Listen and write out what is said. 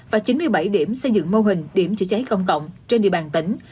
và chín mươi bảy điểm xây dựng mô hình điểm chữa cháy công cộng trên địa bàn tỉnh